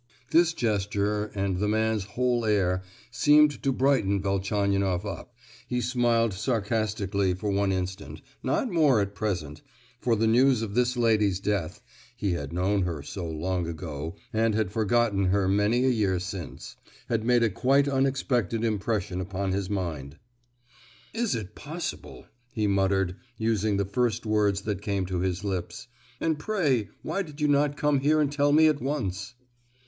This gesture, and the man's whole air, seemed to brighten Velchaninoff up; he smiled sarcastically for one instant, not more at present, for the news of this lady's death (he had known her so long ago, and had forgotten her many a year since) had made a quite unexpected impression upon his mind. "Is it possible!" he muttered, using the first words that came to his lips, "and pray why did you not come here and tell me at once?"